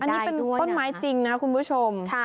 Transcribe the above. อันนี้เป็นต้นไม้จริงนะคุณผู้ชม